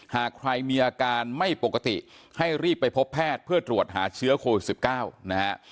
หากใครมีอาการไม่ปกติให้รีบไปพบแพทย์เพื่อตรวจหาเชื้อโควิด๑๙นะฮะ